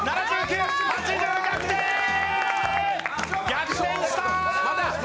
逆転した。